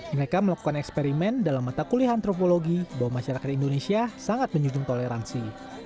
mereka melakukan eksperimen dalam mata kuliah antropologi bahwa masyarakat indonesia sangat menyudung toleransi